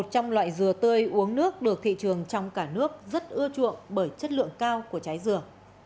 rửa tươi uống nước được thị trường trong cả nước rất ưa chuộng bởi chất lượng cao của trái rửa